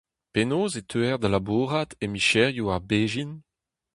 Penaos e teuer da labourat e micherioù ar bezhin ?